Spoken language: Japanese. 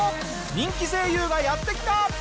人気声優がやって来た！